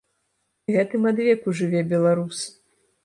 Гэтым адвеку жыве беларус.